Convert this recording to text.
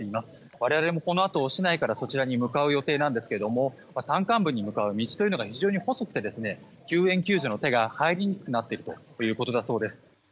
我々もこのあと市内からそちらに向かう予定なんですが山間部に向かう道というのが非常に細くて救援救助の手が入りにくくなっているそうです。